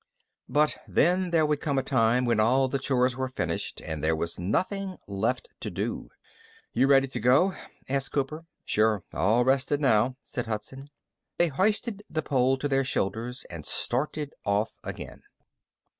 But then there would come a time when all the chores were finished and there was nothing left to do. "You ready to go?" asked Cooper. "Sure. All rested now," said Hudson. They hoisted the pole to their shoulders and started off again.